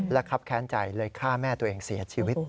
และครับแค้นใจเลยฆ่าแม่ตัวเองเสียชีวิต